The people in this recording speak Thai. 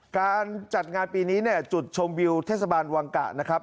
การจัดงานปีนี้เนี่ยจุดชมวิวเทศบาลวังกะนะครับ